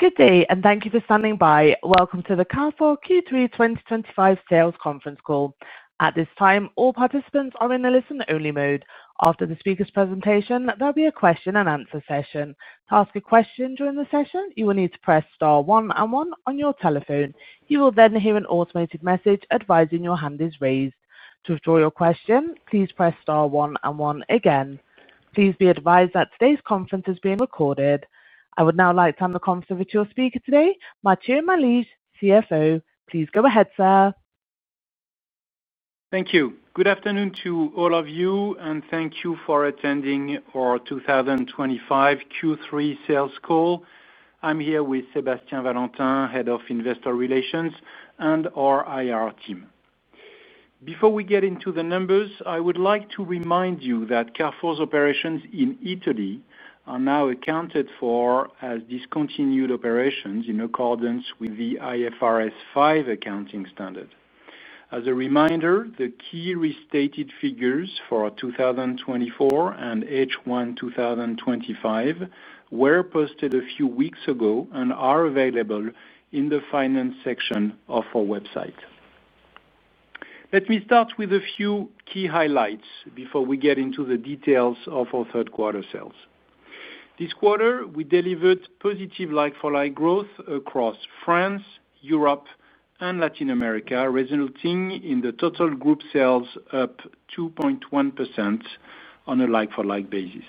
Good day and thank you for standing by. Welcome to the Carrefour Q3 2025 sales conference call. At this time, all participants are in a listen-only mode. After the speaker's presentation, there'll be a question and answer session. To ask a question during the session, you will need to press star one and one on your telephone. You will then hear an automated message advising your hand is raised. To withdraw your question, please press star one and one again. Please be advised that today's conference is being recorded. I would now like to hand the conference over to our speaker today, Matthieu Malige, CFO. Please go ahead, sir. Thank you. Good afternoon to all of you, and thank you for attending our 2025 Q3 sales call. I'm here with Sébastien Valentin, Head of Investor Relations, and our IR team. Before we get into the numbers, I would like to remind you that Carrefour's operations in Italy are now accounted for as discontinued operations in accordance with the IFRS 5 accounting standard. As a reminder, the key restated figures for 2024 and H1 2025 were posted a few weeks ago and are available in the finance section of our website. Let me start with a few key highlights before we get into the details of our third-quarter sales. This quarter, we delivered positive like-for-like growth across France, Europe, and Latin America, resulting in the total group sales up 2.1% on a like-for-like basis.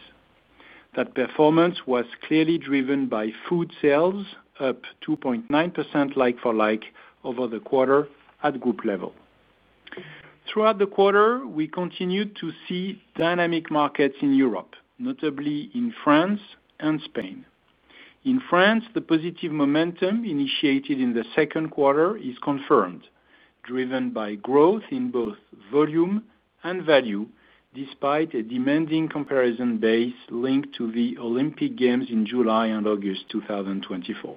That performance was clearly driven by food sales, up 2.9% like-for-like over the quarter at group level. Throughout the quarter, we continued to see dynamic markets in Europe, notably in France and Spain. In France, the positive momentum initiated in the second quarter is confirmed, driven by growth in both volume and value, despite a demanding comparison base linked to the Olympic Games in July and August 2024.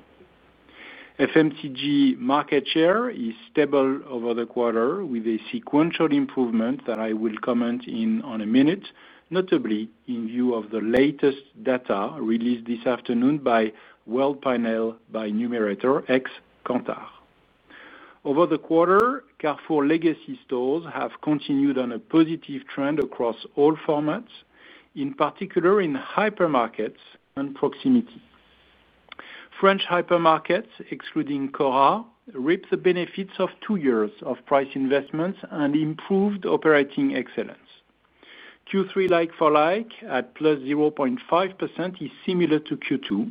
FMCG market share is stable over the quarter, with a sequential improvement that I will comment on in a minute, notably in view of the latest data released this afternoon by World Pioneer by Numerator, ex-Kantar. Over the quarter, Carrefour legacy stores have continued on a positive trend across all formats, in particular in hypermarkets and proximity. French hypermarkets, excluding CORA, reaped the benefits of two years of price investments and improved operating excellence. Q3 like-for-like at +0.5% is similar to Q2.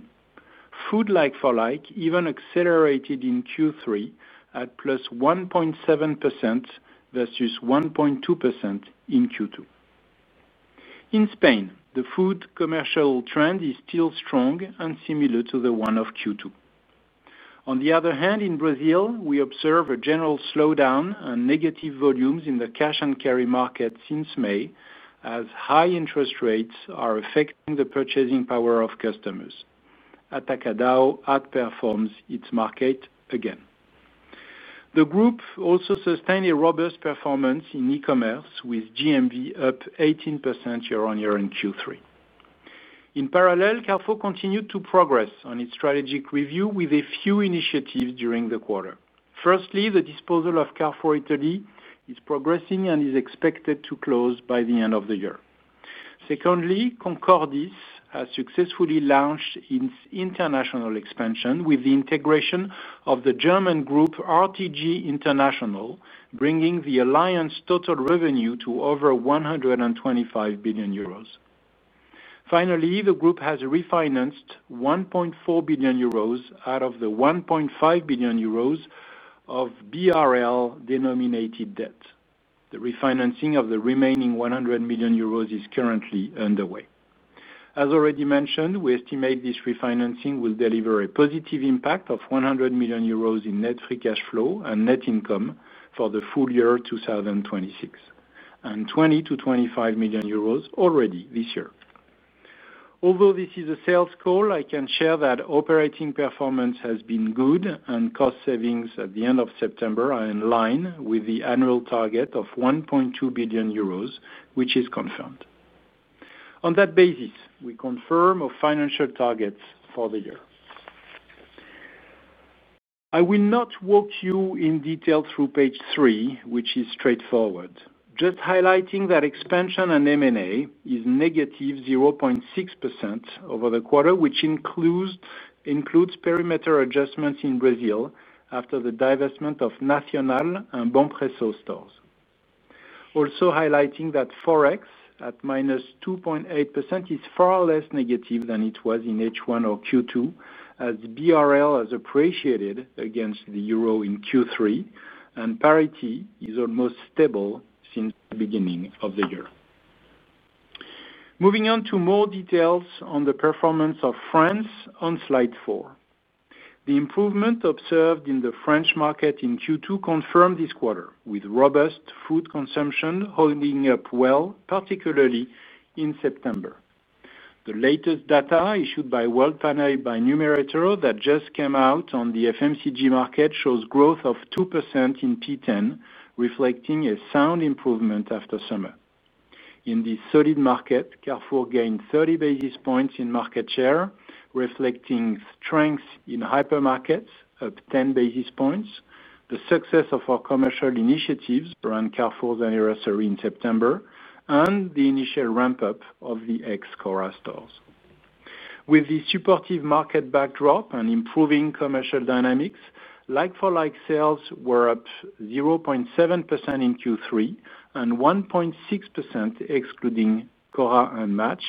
Food like-for-like even accelerated in Q3 at +1.7% versus 1.2% in Q2. In Spain, the food commercial trend is still strong and similar to the one of Q2. On the other hand, in Brazil, we observe a general slowdown and negative volumes in the cash and carry market since May, as high interest rates are affecting the purchasing power of customers. Atacadão outperforms its market again. The group also sustained a robust performance in e-commerce, with GMV up 18% year-on-year in Q3. In parallel, Carrefour continued to progress on its strategic review with a few initiatives during the quarter. Firstly, the disposal of Carrefour Italy is progressing and is expected to close by the end of the year. Secondly, Concordis has successfully launched its international expansion with the integration of the German group RTG International, bringing the alliance's total revenue to over 125 billion euros. Finally, the group has refinanced 1.4 billion euros out of the 1.5 billion euros of BRL-denominated debt. The refinancing of the remaining 100 million euros is currently underway. As already mentioned, we estimate this refinancing will deliver a positive impact of 100 million euros in net free cash flow and net income for the full year 2026, and 20 million-25 million euros already this year. Although this is a sales call, I can share that operating performance has been good, and cost savings at the end of September are in line with the annual target of 1.2 billion euros, which is confirmed. On that basis, we confirm our financial targets for the year. I will not walk you in detail through page three, which is straightforward, just highlighting that expansion and M&A is -0.6% over the quarter, which includes perimeter adjustments in Brazil after the divestment of Nacional and Bompressor stores. Also highlighting that Forex at -2.8% is far less negative than it was in H1 or Q2, as BRL has appreciated against the euro in Q3, and parity is almost stable since the beginning of the year. Moving on to more details on the performance of France on slide four. The improvement observed in the French market in Q2 confirmed this quarter, with robust food consumption holding up well, particularly in September. The latest data issued by World Pioneer by Numerator that just came out on the FMCG market shows growth of 2% in P10, reflecting a sound improvement after summer. In this solid market, Carrefour gained 30 basis points in market share, reflecting strength in hypermarkets, up 10 basis points, the success of our commercial initiatives around Carrefour's anniversary in September, and the initial ramp-up of the ex-CORA stores. With the supportive market backdrop and improving commercial dynamics, like-for-like sales were up 0.7% in Q3 and 1.6% excluding CORA and Match,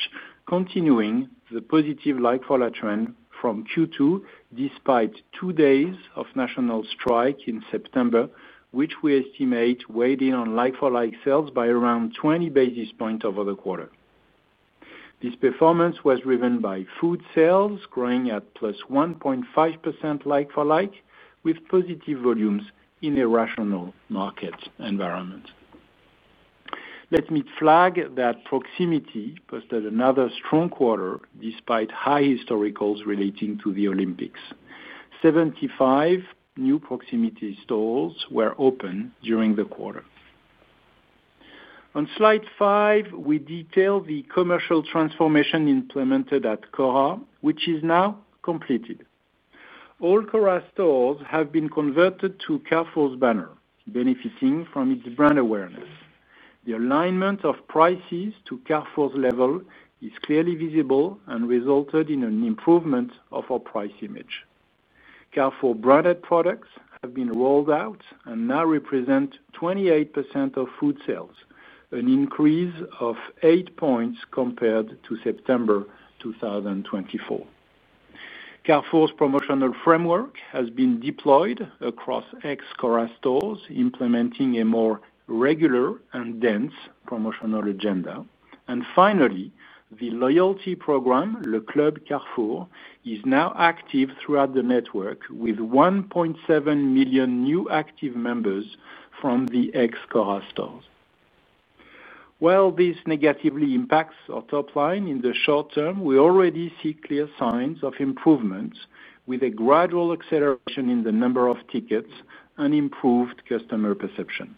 continuing the positive like-for-like trend from Q2 despite two days of national strike in September, which we estimate weighed in on like-for-like sales by around 20 basis points over the quarter. This performance was driven by food sales growing at +1.5% like-for-like, with positive volumes in a rational market environment. Let me flag that proximity posted another strong quarter despite high historicals relating to the Olympics. Seventy-five new proximity stores were open during the quarter. On slide five, we detail the commercial transformation implemented at CORA, which is now completed. All CORA stores have been converted to Carrefour's banner, benefiting from its brand awareness. The alignment of prices to Carrefour's level is clearly visible and resulted in an improvement of our price image. Carrefour-branded products have been rolled out and now represent 28% of food sales, an increase of eight points compared to September 2024. Carrefour's promotional framework has been deployed across ex-CORA stores, implementing a more regular and dense promotional agenda. Finally, the loyalty program, Le Club Carrefour, is now active throughout the network, with 1.7 million new active members from the ex-CORA stores. While this negatively impacts our top line in the short term, we already see clear signs of improvement, with a gradual acceleration in the number of tickets and improved customer perception.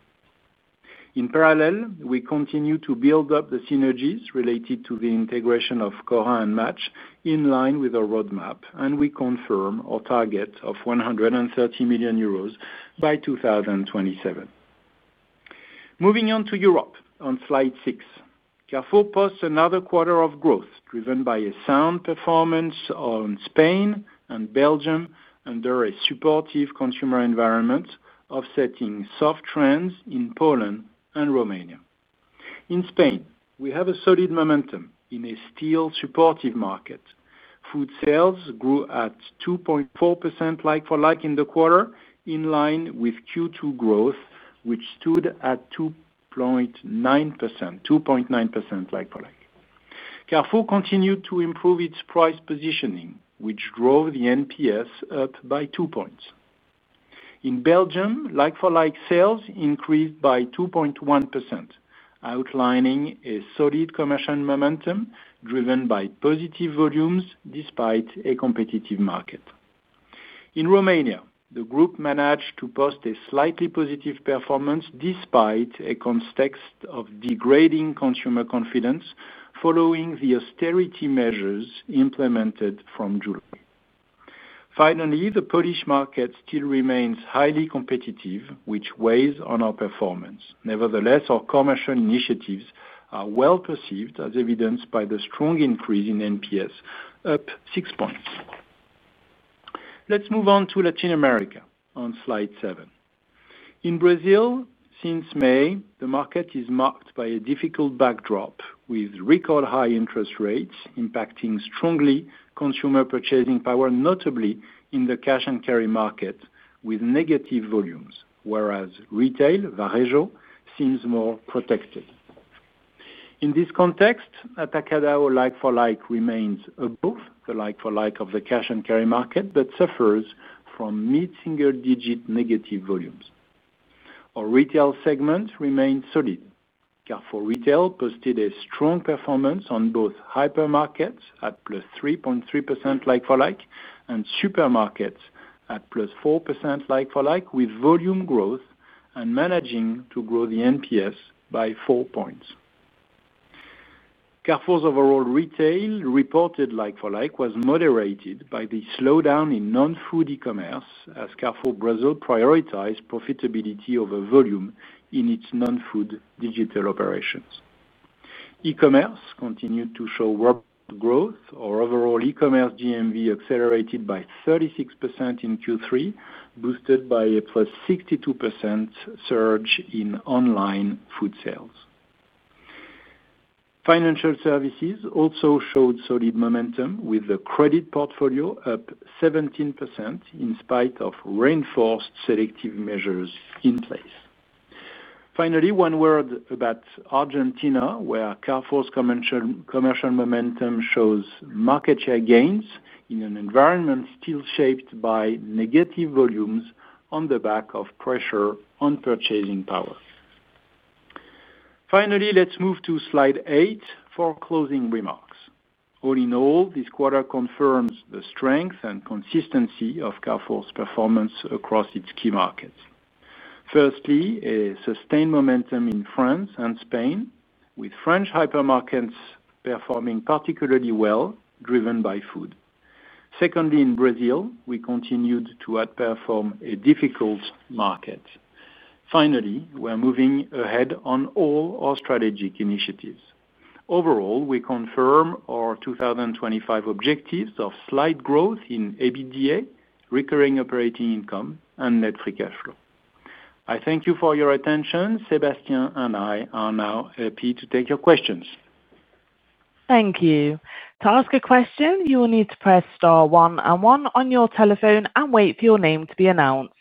In parallel, we continue to build up the synergies related to the integration of CORA and Match in line with our roadmap, and we confirm our target of 130 million euros by 2027. Moving on to Europe, on slide six, Carrefour posts another quarter of growth driven by a sound performance in Spain and Belgium, under a supportive consumer environment offsetting soft trends in Poland and Romania. In Spain, we have a solid momentum in a still supportive market. Food sales grew at 2.4% like-for-like in the quarter, in line with Q2 growth, which stood at 2.9% like-for-like. Carrefour continued to improve its price positioning, which drove the NPS up by 2 points. In Belgium, like-for-like sales increased by 2.1%, outlining a solid commercial momentum driven by positive volumes despite a competitive market. In Romania, the group managed to post a slightly positive performance despite a context of degrading consumer confidence following the austerity measures implemented from July. Finally, the Polish market still remains highly competitive, which weighs on our performance. Nevertheless, our commercial initiatives are well perceived, as evidenced by the strong increase in NPS, up six points. Let's move on to Latin America on slide seven. In Brazil, since May, the market is marked by a difficult backdrop, with record high interest rates impacting strongly consumer purchasing power, notably in the cash and carry market, with negative volumes, whereas retail varejo seems more protected. In this context, Atacadão like-for-like remains above the like-for-like of the cash and carry market but suffers from mid-single-digit negative volumes. Our retail segment remains solid. Carrefour Retail posted a strong performance on both hypermarkets at +3.3% like-for-like and supermarkets at +4% like-for-like, with volume growth and managing to grow the NPS by four points. Carrefour's overall retail reported like-for-like was moderated by the slowdown in non-food e-commerce, as Carrefour Brazil prioritized profitability over volume in its non-food digital operations. E-commerce continued to show rapid growth. Our overall e-commerce GMV accelerated by 36% in Q3, boosted by a +62% surge in online food sales. Financial services also showed solid momentum, with the credit portfolio up 17% in spite of reinforced selective measures in place. Finally, one word about Argentina, where Carrefour's commercial momentum shows market share gains in an environment still shaped by negative volumes on the back of pressure on purchasing power. Finally, let's move to slide eight for closing remarks. All in all, this quarter confirms the strength and consistency of Carrefour's performance across its key markets. Firstly, a sustained momentum in France and Spain, with French hypermarkets performing particularly well, driven by food. Secondly, in Brazil, we continued to outperform a difficult market. Finally, we're moving ahead on all our strategic initiatives. Overall, we confirm our 2025 objectives of slight growth in EBITDA, recurring operating income, and net free cash flow. I thank you for your attention. Sébastien and I are now happy to take your questions. Thank you. To ask a question, you will need to press star one and one on your telephone and wait for your name to be announced.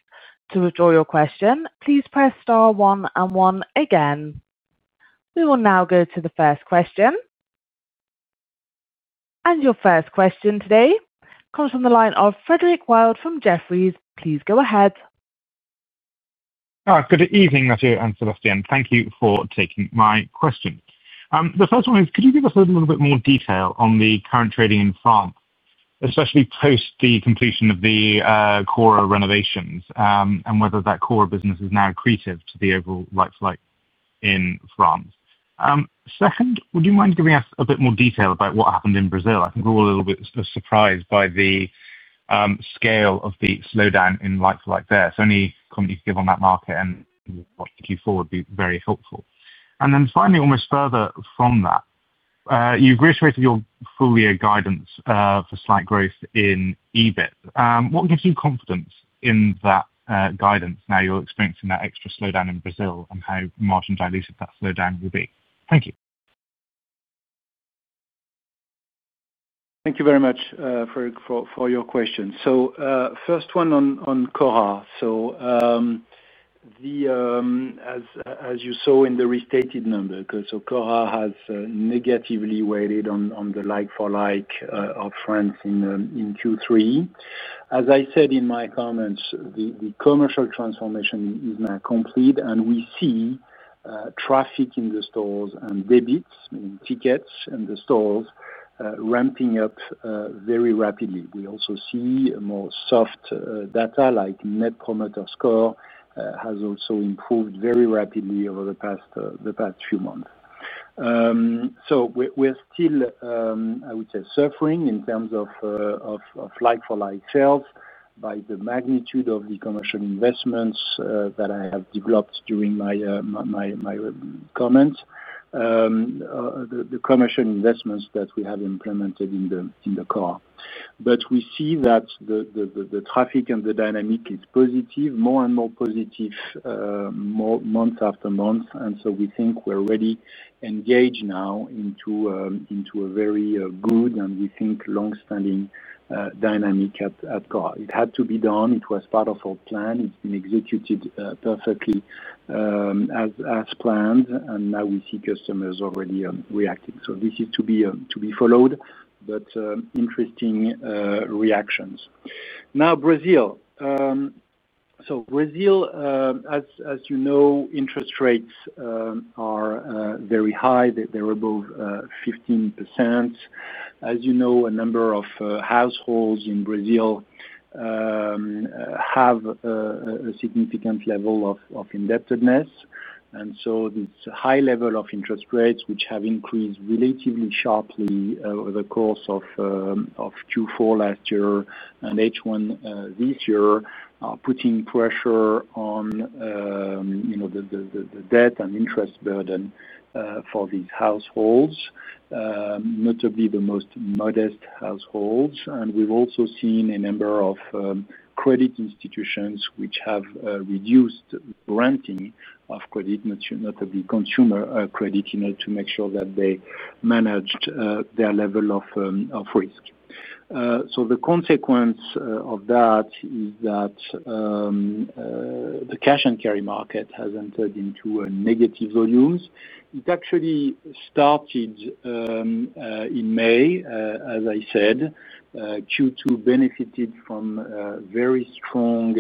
To withdraw your question, please press star one and one again. We will now go to the first question. Your first question today comes from the line of Frederick Wild from Jefferies. Please go ahead. All right. Good evening, Matthieu and Sébastien. Thank you for taking my question. The first one is, could you give us a little bit more detail on the current trading in France, especially post the completion of the CORA renovations, and whether that CORA business is now accretive to the overall like-for-like in France? Second, would you mind giving us a bit more detail about what happened in Brazil? I think we're all a little bit surprised by the scale of the slowdown in like-for-like there. Any comment you could give on that market and what Q4 would be would be very helpful. Finally, almost further from that, you've reiterated your full-year guidance for slight growth in EBIT. What gives you confidence in that guidance now you're experiencing that extra slowdown in Brazil and how margin diluted that slowdown will be? Thank you. Thank you very much for your question. First one on CORA. As you saw in the restated number, CORA has negatively weighted on the like-for-like of France in Q3. As I said in my comments, the commercial transformation is now complete, and we see traffic in the stores and debits, meaning tickets in the stores, ramping up very rapidly. We also see more soft data, like net promoter score, has also improved very rapidly over the past few months. We're still, I would say, suffering in terms of like-for-like sales by the magnitude of the commercial investments that I have developed during my comment, the commercial investments that we have implemented in CORA. We see that the traffic and the dynamic is positive, more and more positive, month after month, and we think we're ready to engage now into a very good and we think longstanding dynamic at CORA. It had to be done. It was part of our plan. It's been executed perfectly, as planned, and now we see customers already reacting. This is to be followed, but interesting reactions. Now, Brazil. As you know, interest rates are very high. They're above 15%. As you know, a number of households in Brazil have a significant level of indebtedness. This high level of interest rates, which have increased relatively sharply over the course of Q4 last year and H1 this year, are putting pressure on the debt and interest burden for these households, notably the most modest households. We've also seen a number of credit institutions which have reduced renting of credit, notably consumer credit, to make sure that they managed their level of risk. The consequence of that is that the cash and carry market has entered into negative volumes. It actually started in May. As I said, Q2 benefited from a very strong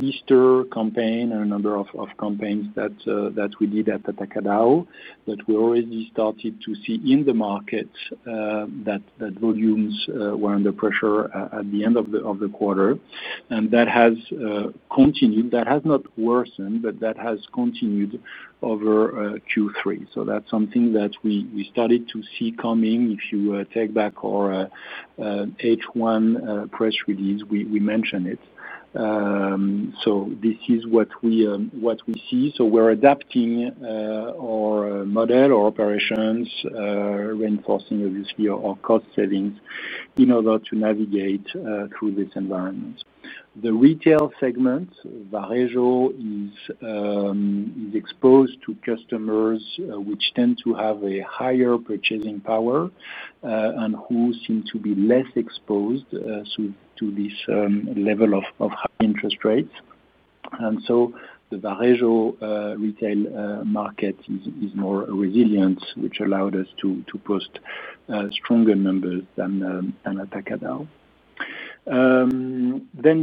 Easter campaign and a number of campaigns that we did at Atacadão that we already started to see in the market, that volumes were under pressure at the end of the quarter. That has continued. That has not worsened, but that has continued over Q3. That's something that we started to see coming. If you take back our H1 press release, we mentioned it. This is what we see. We're adapting our model or operations, reinforcing, obviously, our cost savings in order to navigate through this environment. The retail segment, varejo, is exposed to customers, which tend to have a higher purchasing power, and who seem to be less exposed to this level of high interest rates. The varejo, retail, market is more resilient, which allowed us to post stronger numbers than Atacadão.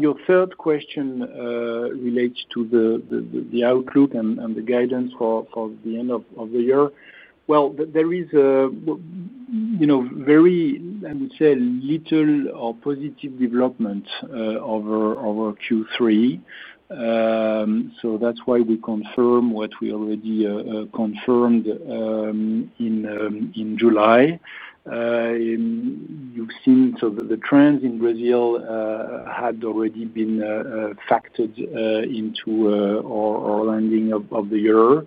Your third question relates to the outlook and the guidance for the end of the year. There is a, you know, very, I would say, little or positive development over Q3. That's why we confirm what we already confirmed in July. You've seen the trends in Brazil had already been factored into our landing of the year.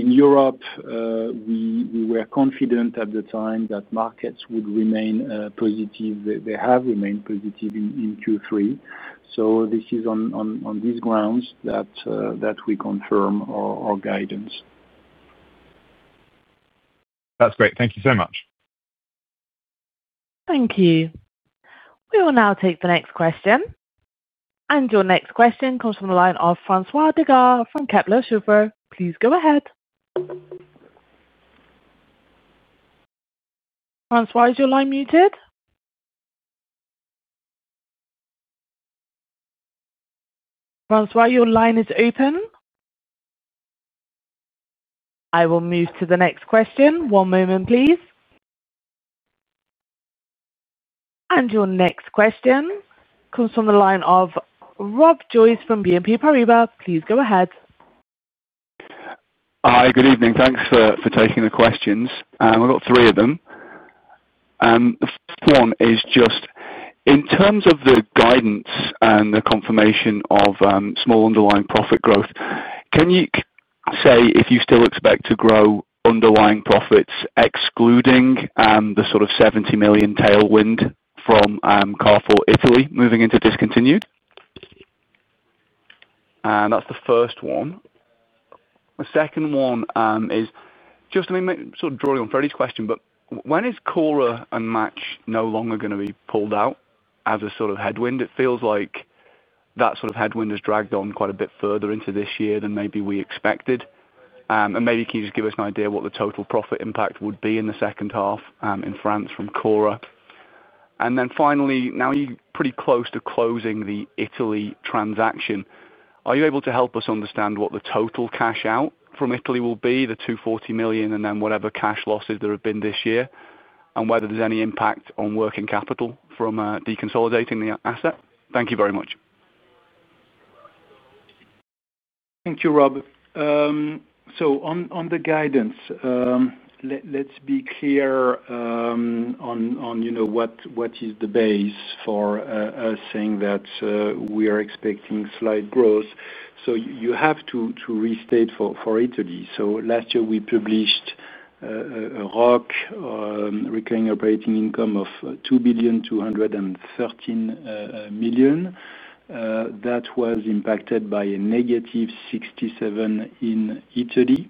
In Europe, we were confident at the time that markets would remain positive. They have remained positive in Q3. It is on these grounds that we confirm our guidance. That's great. Thank you so much. Thank you. We will now take the next question. Your next question comes from the line of François Digard from Kepler Cheuvreux. Please go ahead. François, is your line muted? François, your line is open. I will move to the next question. One moment, please. Your next question comes from the line of Rob Joyce from BNP Paribas. Please go ahead. Hi. Good evening. Thanks for taking the questions. We've got three of them. The first one is just in terms of the guidance and the confirmation of small underlying profit growth. Can you say if you still expect to grow underlying profits excluding the sort of 70 million tailwind from Carrefour Italy moving into discontinued? That's the first one. The second one is just let me sort of draw you on Freddie's question, but when is CORA and Match no longer going to be pulled out as a sort of headwind? It feels like that sort of headwind has dragged on quite a bit further into this year than maybe we expected. Maybe can you just give us an idea of what the total profit impact would be in the second half, in France from CORA? Finally, now you're pretty close to closing the Italy transaction. Are you able to help us understand what the total cash out from Italy will be, the 240 million and then whatever cash losses there have been this year, and whether there's any impact on working capital from deconsolidating the asset? Thank you very much. Thank you, Rob. On the guidance, let's be clear on what is the base for us saying that we are expecting slight growth. You have to restate for Italy. Last year, we published a recurring operating income of 2.213 billion. That was impacted by a -67 million in Italy.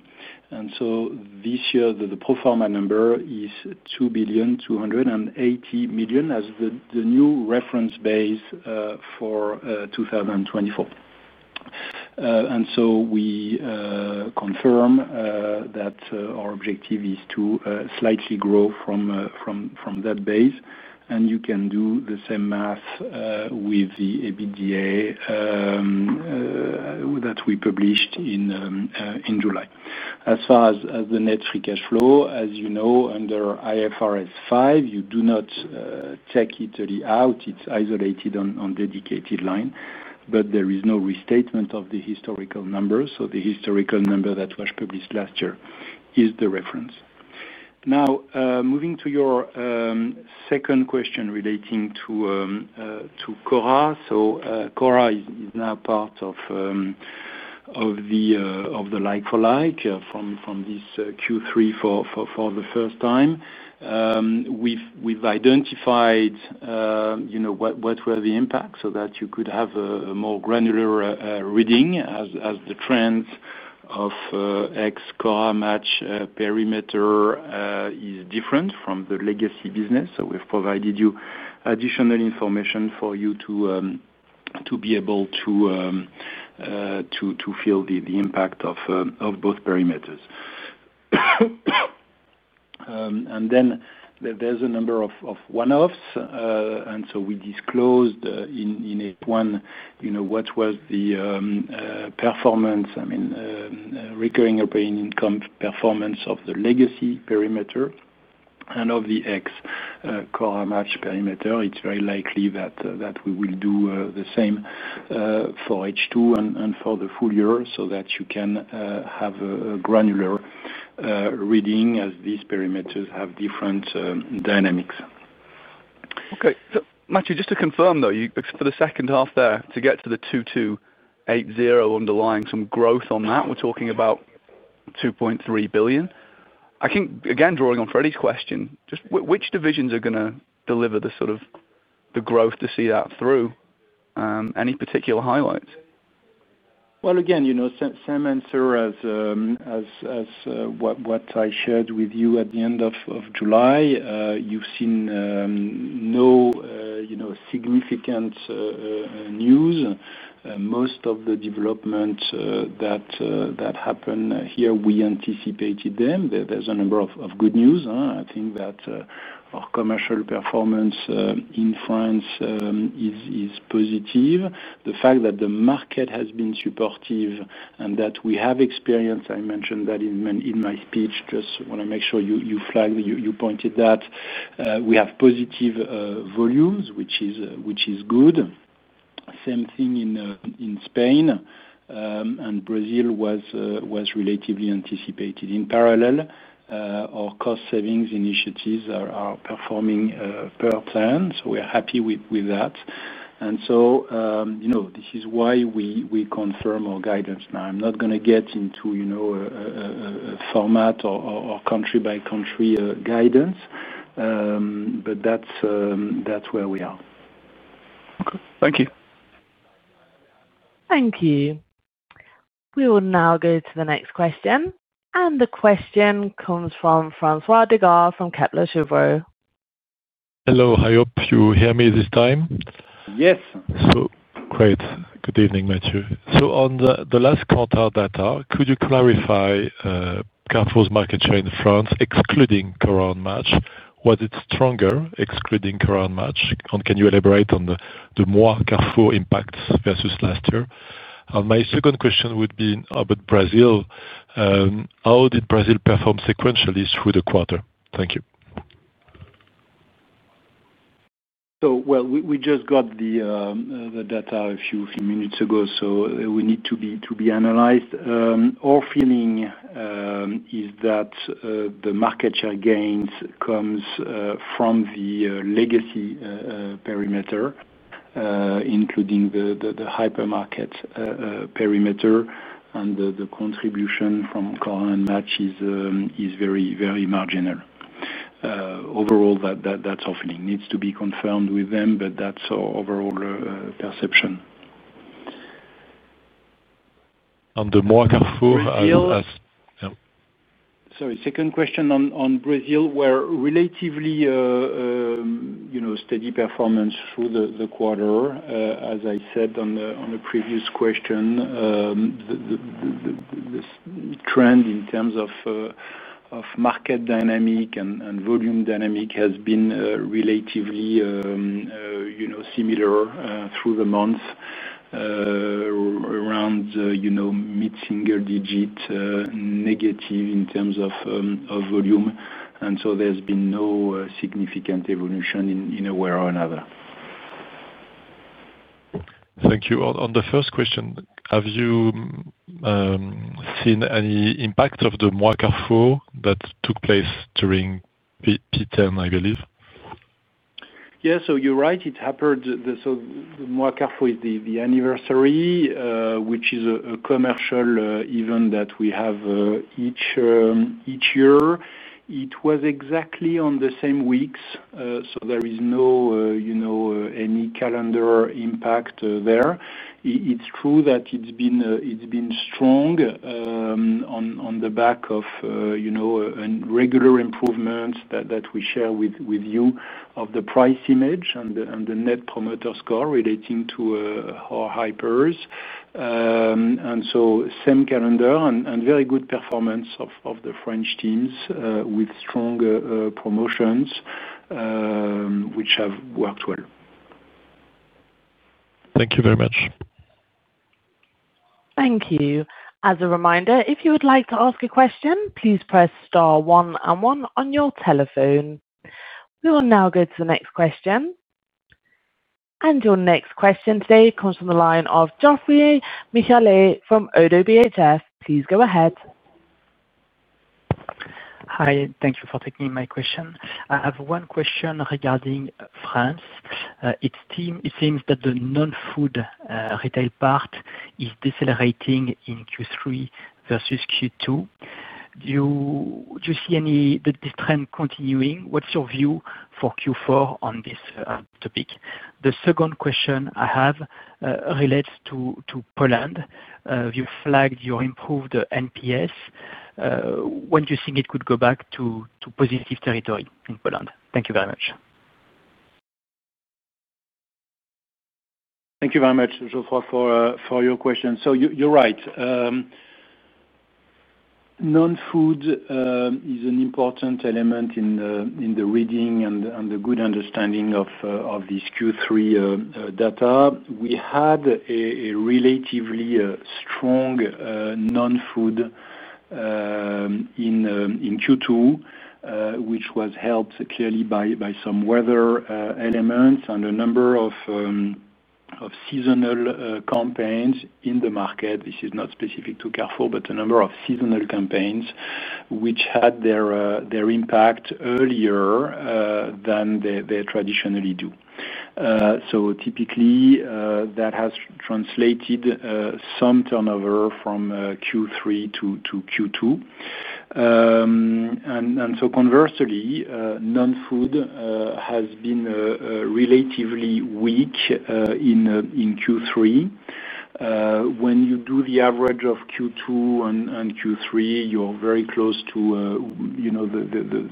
This year, the pro forma number is 2.280 billion as the new reference base for 2024. We confirm that our objective is to slightly grow from that base. You can do the same math with the EBITDA that we published in July. As far as the net free cash flow, as you know, under IFRS 5, you do not take Italy out. It's isolated on a dedicated line, but there is no restatement of the historical numbers. The historical number that was published last year is the reference. Now, moving to your second question relating to CORA. CORA is now part of the like-for-like from this Q3 for the first time. We've identified what were the impacts so that you could have a more granular reading, as the trends of the ex-CORA Match perimeter are different from the legacy business. We've provided you additional information for you to be able to feel the impact of both perimeters. There are a number of one-offs, and we disclosed in H1 what was the recurring operating income performance of the legacy perimeter and of the ex-CORA Match perimeter. It's very likely that we will do the same for H2 and for the full year so that you can have a granular reading as these perimeters have different dynamics. Okay. Matthieu, just to confirm though, you ex for the second half there, to get to the 2.28 billion underlying, some growth on that, we're talking about 2.3 billion. I think, again, drawing on Freddie's question, just which divisions are going to deliver the sort of the growth to see that through? Any particular highlights? You know, same answer as what I shared with you at the end of July. You've seen no significant news. Most of the development that happened here, we anticipated them. There's a number of good news. I think that our commercial performance in France is positive. The fact that the market has been supportive and that we have experienced, I mentioned that in my speech, just want to make sure you flagged, you pointed that, we have positive volumes, which is good. Same thing in Spain. Brazil was relatively anticipated. In parallel, our cost savings initiatives are performing per plan, so we are happy with that. This is why we confirm our guidance. Now, I'm not going to get into a format or country-by-country guidance, but that's where we are. Okay. Thank you. Thank you. We will now go to the next question. The question comes from François Digard from Kepler Cheuvreux. Hello. I hope you hear me this time. Yes. Great. Good evening, Matthieu. On the last quarter data, could you clarify Carrefour's market share in France, excluding Cora and Match? Was it stronger, excluding Cora and Match? Can you elaborate on the more Carrefour impacts versus last year? My second question would be about Brazil. How did Brazil perform sequentially through the quarter? Thank you. We just got the data a few minutes ago, so it needs to be analyzed. Our feeling is that the market share gains come from the legacy perimeter, including the hypermarket perimeter, and the contribution from CORA and Match is very, very marginal. Overall, that's our feeling. It needs to be confirmed with them, but that's our overall perception. The more Carrefour has. Brazil. Yeah. Sorry. Second question on Brazil, where relatively steady performance through the quarter. As I said on the previous question, the trend in terms of market dynamic and volume dynamic has been relatively similar through the month, around mid-single-digit negative in terms of volume. There's been no significant evolution in a way or another. Thank you. On the first question, have you seen any impact of the Moi Carrefour that took place during P10, I believe? Yeah. You're right. The Moi Carrefour is the anniversary, which is a commercial event that we have each year. It was exactly on the same weeks, so there is no calendar impact there. It's true that it's been strong, on the back of a regular improvement that we share with you of the price image and the net promoter score relating to our hypers. Same calendar and very good performance of the French teams, with strong promotions, which have worked well. Thank you very much. Thank you. As a reminder, if you would like to ask a question, please press star one and one on your telephone. We will now go to the next question. Your next question today comes from the line of Geoffroy Michalet from ODDO BHF. Please go ahead. Hi. Thank you for taking my question. I have one question regarding France. It seems that the non-food, retail part is decelerating in Q3 versus Q2. Do you see this trend continuing? What's your view for Q4 on this topic? The second question I have relates to Poland. You flagged your improved NPS. When do you think it could go back to positive territory in Poland? Thank you very much. Thank you very much, Geoffroy, for your question. You're right, non-food is an important element in the reading and the good understanding of this Q3 data. We had a relatively strong non-food in Q2, which was helped clearly by some weather elements and a number of seasonal campaigns in the market. This is not specific to Carrefour, but a number of seasonal campaigns which had their impact earlier than they traditionally do. Typically, that has translated some turnover from Q3 to Q2, and conversely, non-food has been relatively weak in Q3. When you do the average of Q2 and Q3, you're very close to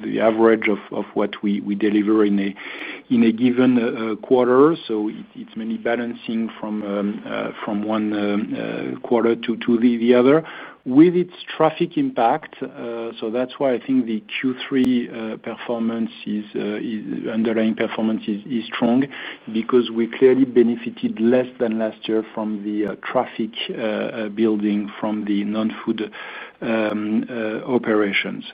the average of what we deliver in a given quarter. It's many balancing from one quarter to the other, with its traffic impact. That's why I think the Q3 performance, its underlying performance, is strong because we clearly benefited less than last year from the traffic building from the non-food operations.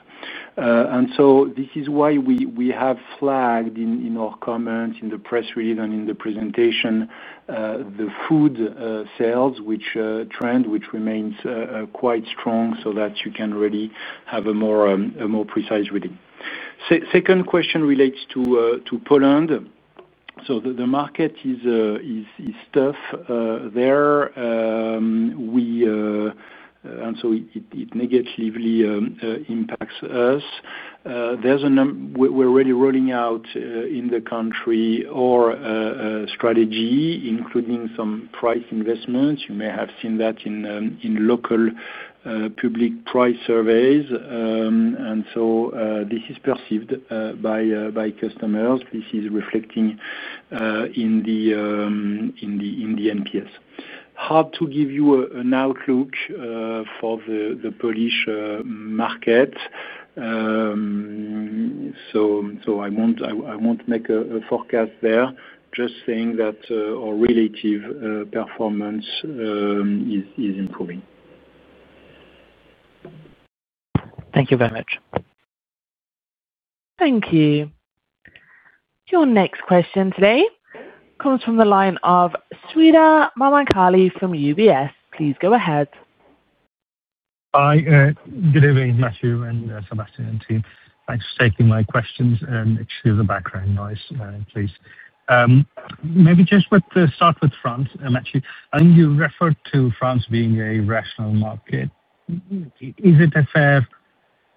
This is why we have flagged in our comments, in the press release, and in the presentation, the food sales trend, which remains quite strong so that you can really have a more precise reading. Second question relates to Poland. The market is tough there, and it negatively impacts us. We're already rolling out in the country our strategy, including some price investments. You may have seen that in local public price surveys, and this is perceived by customers. This is reflecting in the NPS. Hard to give you an outlook for the Polish market, so I won't make a forecast there, just saying that our relative performance is improving. Thank you very much. Thank you. Your next question today comes from the line of Sreedhar Mahamkali from UBS. Please go ahead. Hi. Good evening, Matthieu, and Sébastien and team. Thanks for taking my questions and excuse the background noise, please. Maybe just to start with France, Matthieu. I think you referred to France being a rational market. Is it a fair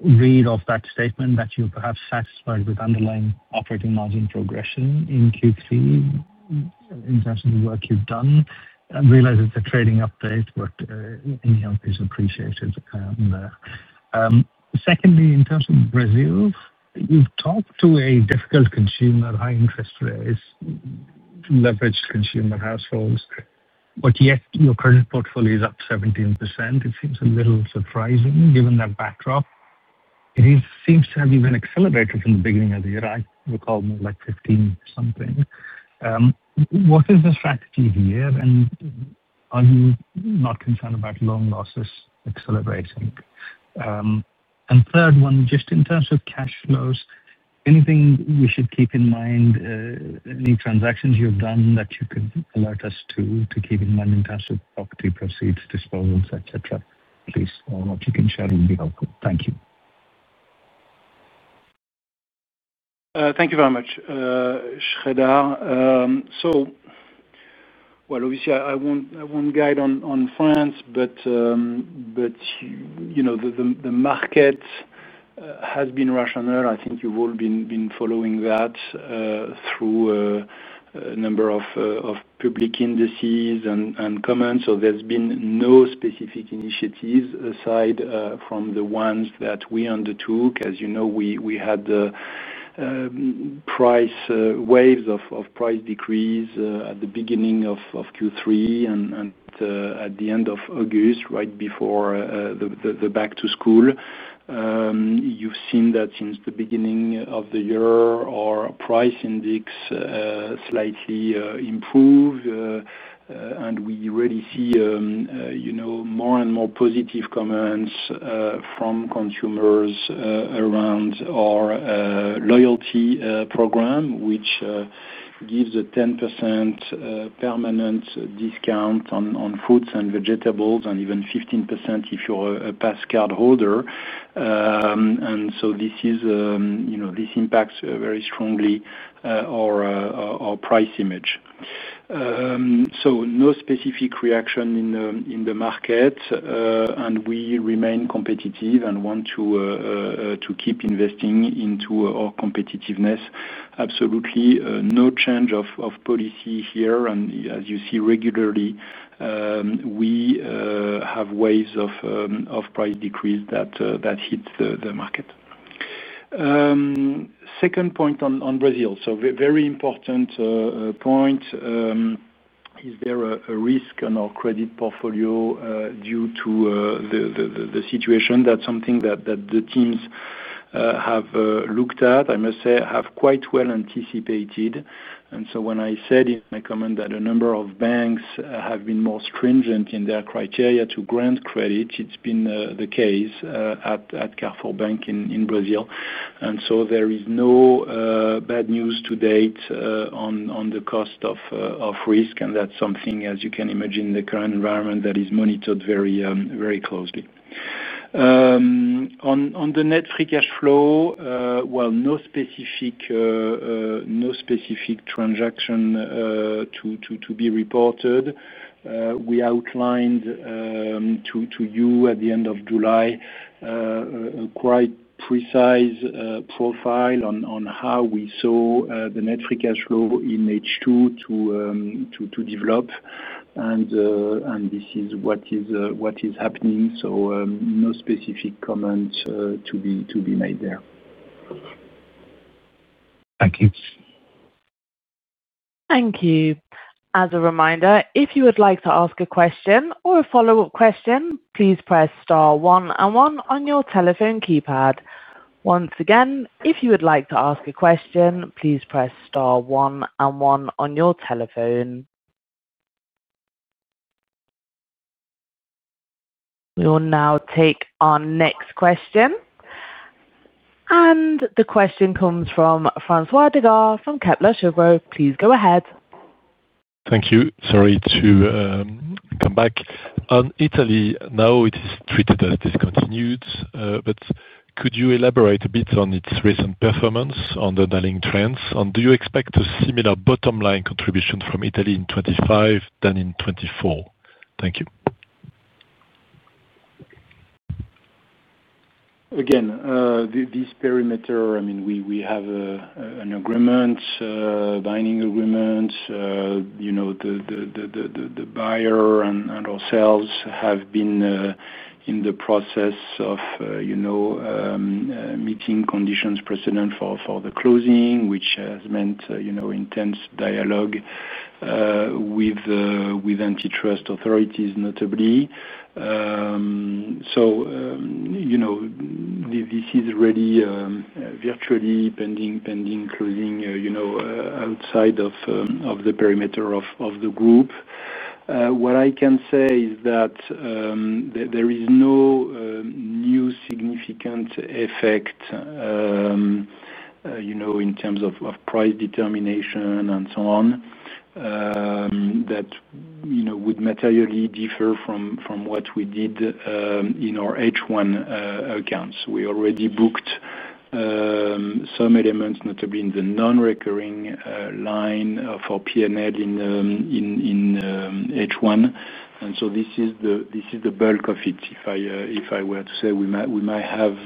read of that statement that you're perhaps satisfied with underlying operating margin progression in Q3 in terms of the work you've done? I realize it's a trading update, but any help is appreciated there. Secondly, in terms of Brazil, you've talked to a difficult consumer, high-interest rates, leveraged consumer households, but yet your current portfolio is up 17%. It seems a little surprising given that backdrop. It seems to have even accelerated from the beginning of the year. I recall more like 15-something. What is the strategy here? Are you not concerned about loan losses accelerating? Third, just in terms of cash flows, anything we should keep in mind, any transactions you've done that you could alert us to, to keep in mind in terms of property proceeds, disposals, etc.? Please, what you can share would be helpful. Thank you. Thank you very much, Sreedhar. Obviously, I won't guide on France, but you know, the market has been rational. I think you've all been following that through a number of public indices and comments. There's been no specific initiatives aside from the ones that we undertook. As you know, we had the waves of price decrease at the beginning of Q3 and at the end of August, right before the back to school. You've seen that since the beginning of the year, our price index slightly improved, and we already see more and more positive comments from consumers around our loyalty program, which gives a 10% permanent discount on fruits and vegetables, and even 15% if you're a Pass card holder. This impacts very strongly our price image. No specific reaction in the market, and we remain competitive and want to keep investing into our competitiveness. Absolutely no change of policy here. As you see regularly, we have waves of price decrease that hit the market. Second point on Brazil. Very important point. Is there a risk on our credit portfolio due to the situation? That's something that the teams have looked at. I must say, have quite well anticipated. When I said in my comment that a number of banks have been more stringent in their criteria to grant credit, it's been the case at Carrefour Bank in Brazil. There is no bad news to date on the cost of risk. That's something, as you can imagine, in the current environment that is monitored very, very closely. On the net free cash flow, no specific transaction to be reported. We outlined to you at the end of July a quite precise profile on how we saw the net free cash flow in H2 to develop, and this is what is happening. No specific comments to be made there. Thank you. Thank you. As a reminder, if you would like to ask a question or a follow-up question, please press star one and one on your telephone keypad. Once again, if you would like to ask a question, please press star one and one on your telephone. We will now take our next question. The question comes from François Digard from Kepler Cheuvreux. Please go ahead. Thank you. Sorry to come back. On Italy, now it is treated as discontinued, but could you elaborate a bit on its recent performance, on the underlying trends? Do you expect a similar bottom-line contribution from Italy in 2025 than in 2024? Thank you. Again, this perimeter, I mean, we have a binding agreement. The buyer and ourselves have been in the process of meeting conditions precedent for the closing, which has meant intense dialogue with antitrust authorities, notably. This is really virtually pending closing, outside of the perimeter of the group. What I can say is that there is no new significant effect in terms of price determination and so on, that would materially differ from what we did in our H1 accounts. We already booked some elements, notably in the non-recurring line for P&L in H1. This is the bulk of it. If I were to say, we might have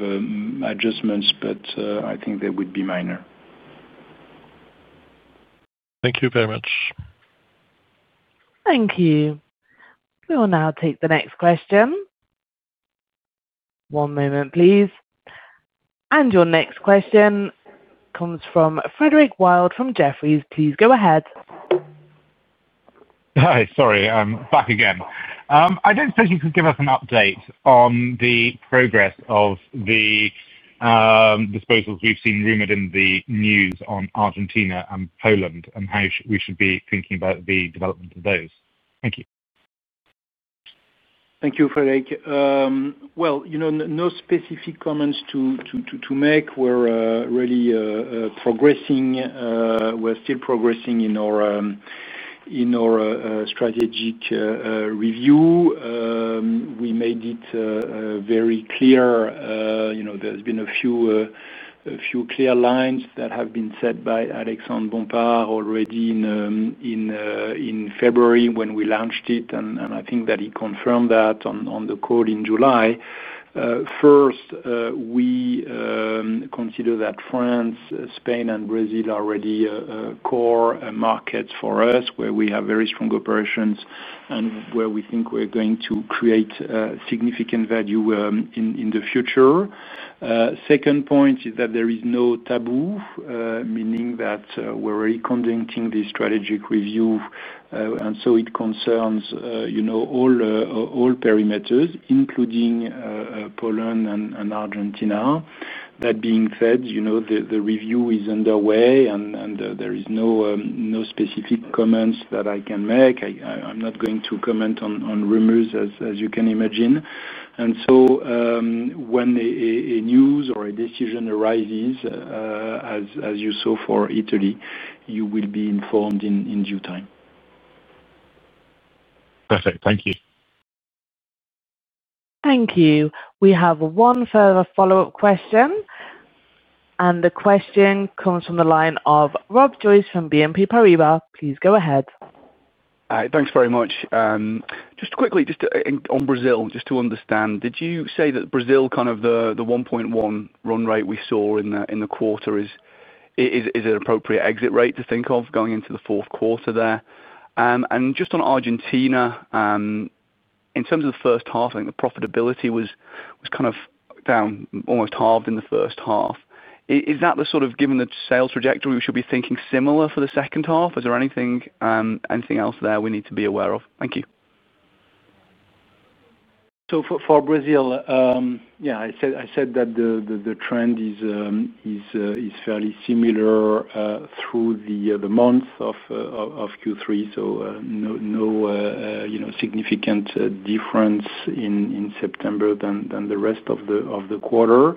adjustments, but I think they would be minor. Thank you very much. Thank you. We will now take the next question. One moment, please. Your next question comes from Frederick Wild from Jefferies. Please go ahead. Hi. Sorry. I'm back again. I don't suppose you could give us an update on the progress of the disposals we've seen rumored in the news on Argentina and Poland and how we should be thinking about the development of those. Thank you. Thank you, Frederick. You know, no specific comments to make. We're really progressing, we're still progressing in our strategic review. We made it very clear. There's been a few clear lines that have been set by Alexandre Bompard already in February when we launched it. I think that he confirmed that on the call in July. First, we consider that France, Spain, and Brazil are already core markets for us where we have very strong operations and where we think we're going to create significant value in the future. Second point is that there is no taboo, meaning that we're already conducting this strategic review, and it concerns all perimeters, including Poland and Argentina. That being said, the review is underway and there are no specific comments that I can make. I'm not going to comment on rumors, as you can imagine. When a news or a decision arises, as you saw for Italy, you will be informed in due time. Perfect. Thank you. Thank you. We have one further follow-up question. The question comes from the line of Rob Joyce from BNP Paribas. Please go ahead. Hi. Thanks very much. Just quickly, in Brazil, just to understand, did you say that Brazil, kind of the 1.1 run rate we saw in the quarter, is it an appropriate exit rate to think of going into the fourth quarter there? Just on Argentina, in terms of the first half, I think the profitability was kind of down almost halved in the first half. Is that the sort of, given the sales trajectory, we should be thinking similar for the second half? Is there anything else there we need to be aware of? Thank you. For Brazil, I said that the trend is fairly similar through the months of Q3. There is no significant difference in September than the rest of the quarter.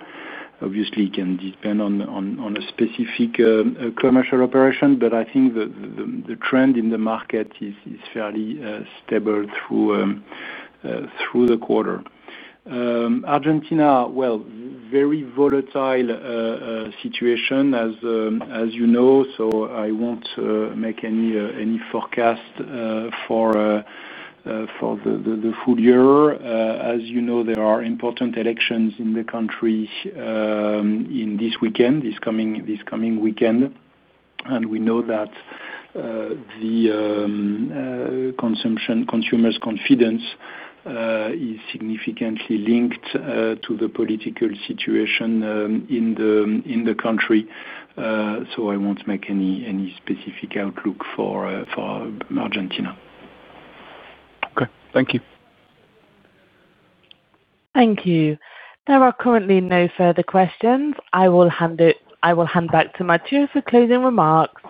Obviously, it can depend on a specific commercial operation, but I think the trend in the market is fairly stable through the quarter. Argentina is a very volatile situation, as you know. I won't make any forecast for the full year. As you know, there are important elections in the country this coming weekend. We know that consumption and consumers' confidence is significantly linked to the political situation in the country. I won't make any specific outlook for Argentina. Okay, thank you. Thank you. There are currently no further questions. I will hand back to Matthieu for closing remarks.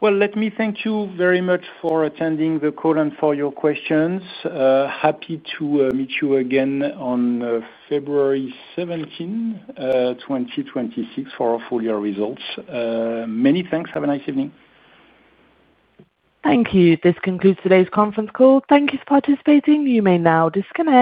Thank you very much for attending the call and for your questions. Happy to meet you again on February 17, 2026 for our full-year results. Many thanks. Have a nice evening. Thank you. This concludes today's conference call. Thank you for participating. You may now disconnect.